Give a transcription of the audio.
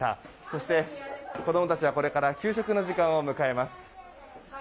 そして、子供たちがこれから給食の時間を迎えます。